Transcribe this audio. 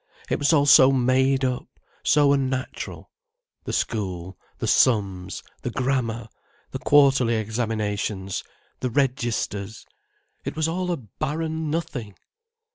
It was all so made up, so unnatural. The school, the sums, the grammar, the quarterly examinations, the registers—it was all a barren nothing!